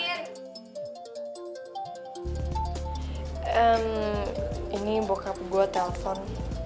hmm ini bokap gue telpon